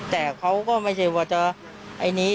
แต่เขาก็ไม่ใช่ว่าจะไอ้นี้